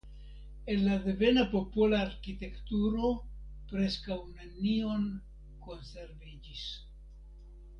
El la devena popola arkitekturo preskaŭ nenion konserviĝis.